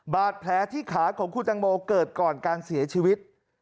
บาดแผลที่ขาของคุณตังโมเกิดก่อนการเสียชีวิต